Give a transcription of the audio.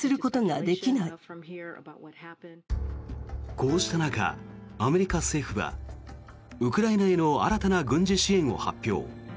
こうした中、アメリカ政府はウクライナへの新たな軍事支援を発表。